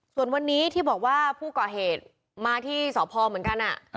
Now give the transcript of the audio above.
ส่วนวันนี้ที่บอกว่าผู้ก่อเหตุมาที่สพเหมือนกัน